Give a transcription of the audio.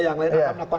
yang lain akan melakukan